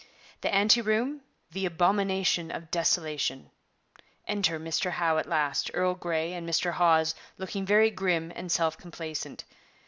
The Ante Room, the Abomination of Desolation. Enter Mr Howe at last, Earl Grey and Mr Hawes looking very grim and self complacent.